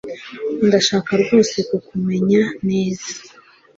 Ndashaka rwose kukumenya neza